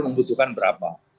kita butuhkan berapa